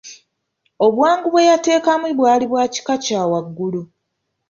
Obwangu bwe yateekamu bwali bwa kika kya waggulu.